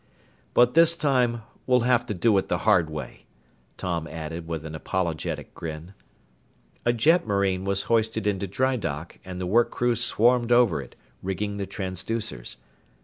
"But this time we'll have to do it the hard way," Tom added with an apologetic grin. A jetmarine was hoisted into drydock and the work crew swarmed over it, rigging the transducers.